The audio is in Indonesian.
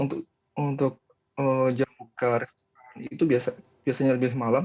untuk jam buka restoran itu biasanya lebih malam